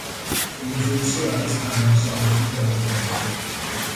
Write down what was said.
კუნძულზე არის თანამგზავრული ტელეფონები.